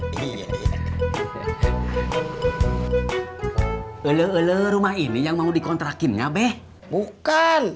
belum rumah ini yang mau dikontrakinnya bek bukan